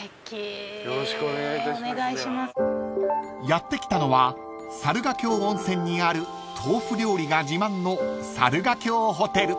［やって来たのは猿ヶ京温泉にある豆腐料理が自慢の］わゆったり。